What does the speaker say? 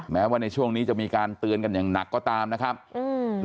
แม้ว่าในช่วงนี้จะมีการเตือนกันอย่างหนักก็ตามนะครับอืม